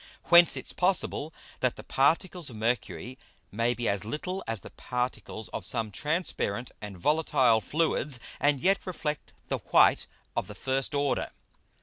Whence it's possible, that the Particles of Mercury may be as little as the Particles of some transparent and volatile Fluids, and yet reflect the white of the first order.